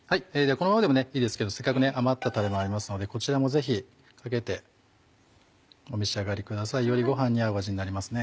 このままでもいいですけどせっかく余ったタレもありますのでこちらもぜひかけてお召し上がりくださいよりご飯に合う味になりますね。